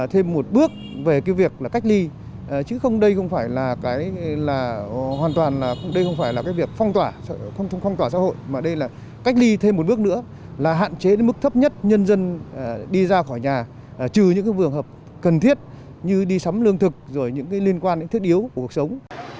thêm một bước về cái việc cách ly chứ không đây không phải là cái việc phong tỏa xã hội mà đây là cách ly thêm một bước nữa là hạn chế đến mức thấp nhất nhân dân đi ra khỏi nhà trừ những vườn hợp cần thiết như đi sắm lương thực rồi những liên quan đến thiết yếu của cuộc sống